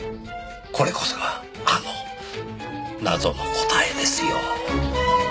これこそがあの謎の答えですよ。